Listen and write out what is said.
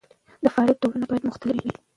د فعالیت ډولونه باید مختلف وي.